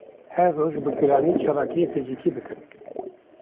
Her roj bi giranî çalakiyên fizikî bikin